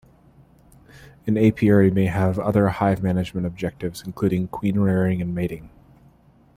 An apiary may have other hive management objectives including queen rearing and mating.